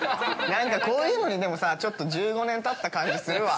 なんかこういうのに、でもさ、ちょっと１５年たった感じするわ。